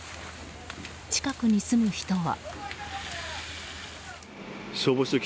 近くに住む人は。